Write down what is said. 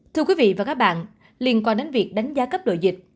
thưa quý vị và các bạn liên quan đến việc đánh giá cấp độ dịch